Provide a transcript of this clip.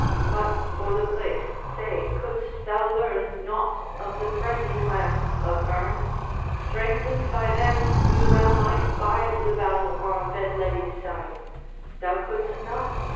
But, for the place, say, couldst thou learn Nought of the friendly clans of Earn? Strengthened by them, we well might bide The battle on Benledi's side. Thou couldst not?